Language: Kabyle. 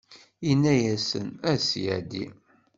Inna-yasen: A Ssyadi!